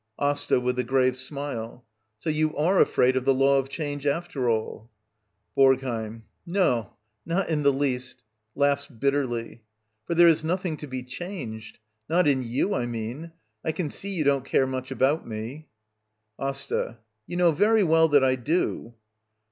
AsTA. [With a grave smile.] So you are afraid of the law of change, after all ? BoRGHEiM. No, not in the least [Laughs bit yJtCTly.] For there is nothing to be changed — not in you, I mean. I can see you don't care much about nie» W^'jAsta. You know very well that I do.